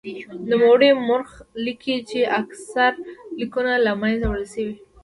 نوموړی مورخ لیکي چې اکثر لیکونه له منځه وړل شوي.